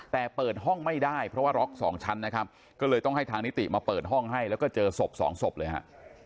แต่เปิดห้องไม่ได้เพราะว่าล็อกสองชั้นนะครับก็เลยต้องให้ทางนิติมาเปิดห้องให้แล้วก็เจอศพสองศพเลยฮะ